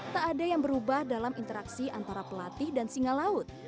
tak ada yang berubah dalam interaksi antara pelatih dan singa laut